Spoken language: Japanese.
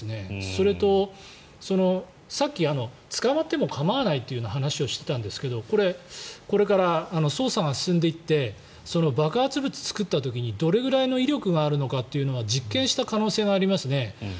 それと、さっき捕まっても構わないというような話をしてたんですがこれから捜査が進んでいって爆発物を作った時にどれくらいの威力があるのかというのは実験した可能性がありますね。